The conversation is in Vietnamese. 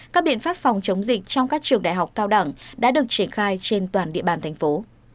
các biện pháp phòng chống dịch trong các trường đại học cao đẳng đã được triển khai trên toàn địa bàn thành phố